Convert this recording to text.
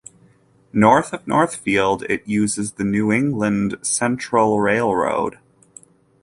North of Northfield it uses the New England Central Railroad.